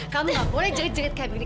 kamu gak boleh jerit jerit kayak begini